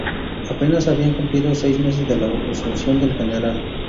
Apenas se habían cumplido seis meses de la asunción del Gral.